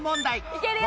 いけるよ！